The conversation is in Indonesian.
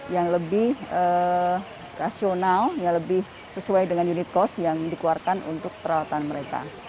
yang lebih rasional lebih sesuai dengan unit cost yang dikeluarkan untuk perawatan mereka